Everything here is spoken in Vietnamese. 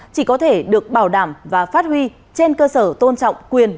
chỉ có thể được bảo đảm và phát huy trên cơ sở tôn trọng quyền